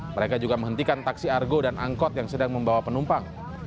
mereka juga menghentikan taksi argo dan angkot yang sedang membawa penumpang